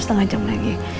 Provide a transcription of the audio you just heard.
setengah jam lagi